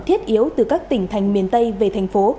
thiết yếu từ các tỉnh thành miền tây về thành phố